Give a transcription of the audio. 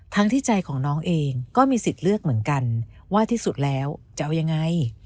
ที่ใจของน้องเองก็มีสิทธิ์เลือกเหมือนกันว่าที่สุดแล้วจะเอายังไง